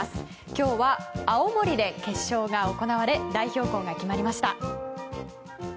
今日は青森で決勝が行われ代表校が決まりました。